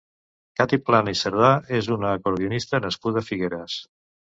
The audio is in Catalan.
Cati Plana i Cerdà és una acordionista nascuda a Figueres.